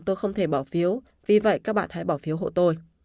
tôi không thể bỏ phiếu vì vậy các bạn hãy bỏ phiếu hộ tôi